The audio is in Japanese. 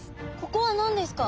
ここは何ですか？